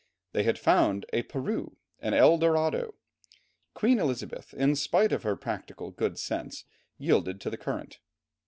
They had found a Peru, an Eldorado. Queen Elizabeth, in spite of her practical good sense, yielded to the current.